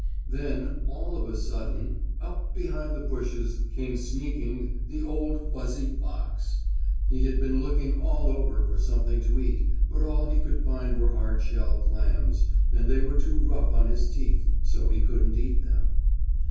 Then, all of a sudden, up behind the bushes came sneaking the old fuzzy fox. He had been looking all over for something to eat, but all he could find were hard shell clams, and they were too rough on his teeth, so he couldn't eat them.